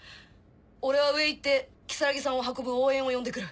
俺は上へ行って如月さんを運ぶ応援を呼んでくる。